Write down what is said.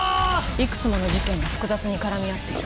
いくつもの事件が複雑に絡み合っている。